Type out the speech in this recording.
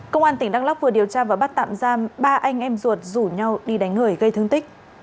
công an tỉnh đắk lóc vừa điều tra và bắt tạm giam ba anh em ruột rủ nhau đi đánh người gây thương tích